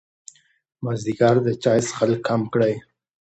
مازدیګر د چای څښل کم کړئ.